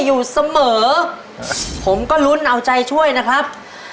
อยู่เสมอผมก็ลุ้นเอาใจช่วยนะครับ